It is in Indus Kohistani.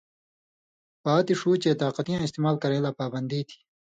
پاتیۡ ݜُو چے طاقتیاں استعمال کرَیں لا پابندی تھی،